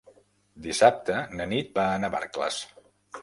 Dissabte na Nit va a Navarcles.